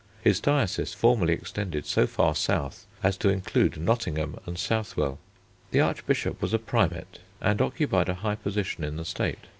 His diocese formerly extended so far south as to include Nottingham and Southwell. The Archbishop was a Primate and occupied a high position in the State.